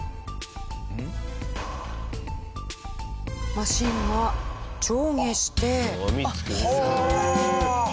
マシンが上下して。